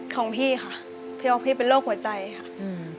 ของพี่ค่ะพี่ออกพี่เป็นโรคหัวใจค่ะอืม